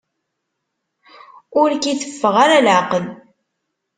Ur k-iteffeɣ ara leεqel.